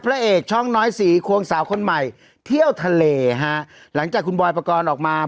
พระเอกช่องน้อยสีควงสาวคนใหม่เที่ยวทะเลฮะหลังจากคุณบอยปกรณ์ออกมา